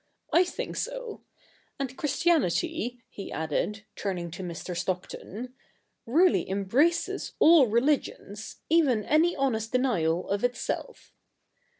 I think so. And Christianity,' he added, turning to Mr. Stockton, ' really embraces all religions, even any honest denial of itself.'